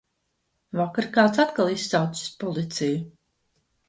Vakar kāds atkal izsaucis policiju.